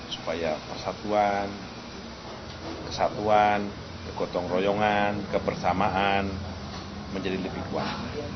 supaya persatuan kesatuan kegotong royongan kebersamaan menjadi lebih kuat